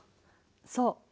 そう。